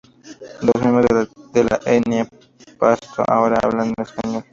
Los miembros de la etnia pasto ahora hablan español.